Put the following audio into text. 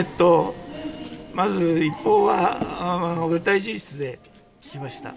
まず一報は、大臣室で聞きました。